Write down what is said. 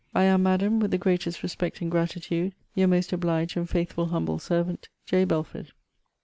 I am, Madam, with the greatest respect and gratitude, Your most obliged and faithful humble servant, J. BELFORD.